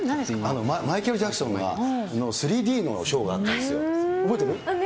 マイケル・ジャクソンが、３Ｄのショーがあったんですよね。